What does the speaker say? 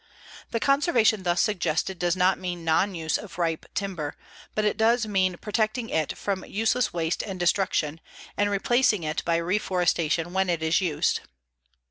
_ The conservation thus suggested does not mean non use of ripe timber, but does mean protecting it from useless waste and destruction, and replacing it by reforestation when it is used.